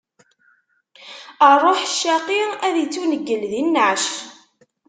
Ṛṛuḥ ccaqi, ad ittuneggel di nneɛc.